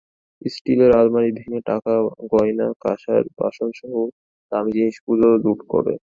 স্টিলের আলমারি ভেঙে টাকা, গয়না, কাঁসার বাসনসহ দামি জিনিসগুলো লুট করে।